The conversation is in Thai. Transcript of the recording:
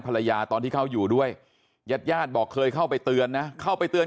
ตอนที่เขาอยู่ด้วยญาติญาติบอกเคยเข้าไปเตือนนะเข้าไปเตือน